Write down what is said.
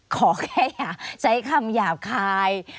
ขอแค่อย่าใช้คำหยาบคาย